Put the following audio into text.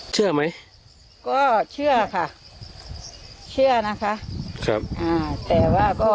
เชื่อนะคะ